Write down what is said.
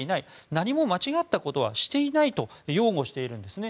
何も間違ったことはしていないと擁護しているんですね。